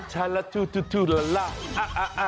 ชาราทุทุทุลลลา